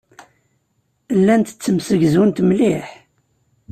Llant ttemsegzunt mliḥ.